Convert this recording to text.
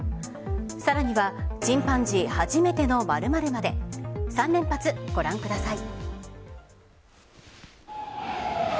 さらにはチンパンジー初めての〇〇まで３連発、ご覧ください。